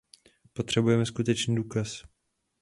Potřebujeme skutečný důkaz.